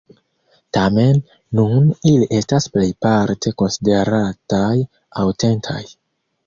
Tamen, nun ili estas plejparte konsiderataj aŭtentaj.